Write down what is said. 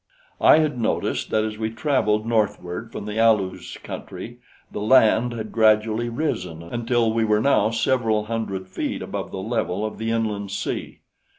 I had noticed that as we traveled northward from the Alus' country the land had gradually risen until we were now several hundred feet above the level of the inland sea.